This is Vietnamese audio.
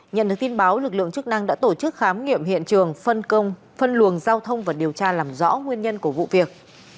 nhận được tin báo lực lượng chức năng đã tổ chức khám nghiệm hiện trường phân luồng giao thông và điều tra làm rõ nguyên nhân của vụ việc